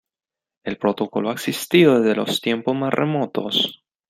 El protocolo ha existido desde los tiempos más remotos.